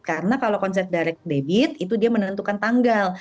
karena kalau konsep direct debit itu dia menentukan tanggal